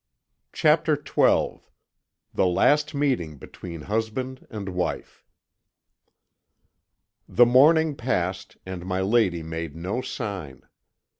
CHAPTER XII THE LAST MEETING BETWEEN HUSBAND AND WIFE "The morning passed, and my lady made no sign.